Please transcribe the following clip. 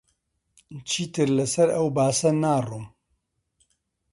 چیتر لەسەر ئەو باسە ناڕۆم